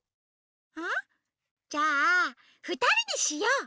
あっじゃあふたりでしよう！